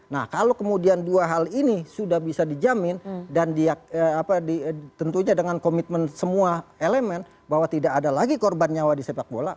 nah kalau kemudian dua hal ini sudah bisa dijamin dan tentunya dengan komitmen semua elemen bahwa tidak ada lagi korban nyawa di sepak bola